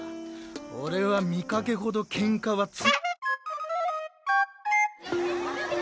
俺は見かけほどケンカはつ。